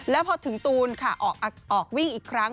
แล้วพอถึงตูนค่ะออกวิ่งอีกครั้ง